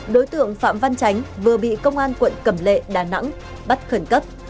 đối tượng phạm văn chánh vừa bị công an quận cẩm lệ đà nẵng bắt khẩn cấp